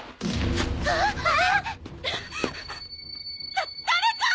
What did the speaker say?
だ誰か！！